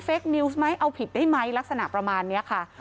คนิวส์ไหมเอาผิดได้ไหมลักษณะประมาณนี้ค่ะ